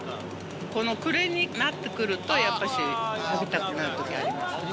この暮れになってくると、やっぱし食べたくなるときあります。